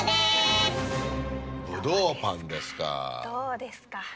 どうですか？